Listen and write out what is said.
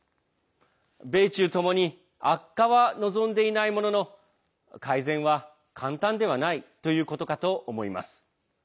米中ともに悪化は望んでいないものの改善は簡単ではないということかと思います。